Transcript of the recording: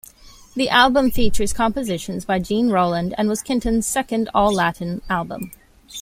The album features compositions by Gene Roland, and was Kenton's second all-Latin album.